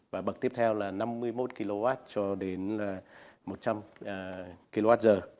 và bậc tiếp theo là năm mươi một kw cho đến một trăm linh kwh